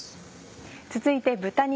続いて豚肉